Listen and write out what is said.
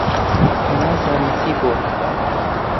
نازانم چی بووە.